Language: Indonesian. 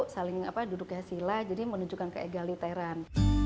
saling duduknya sila jadi menunjukkan keegaliteran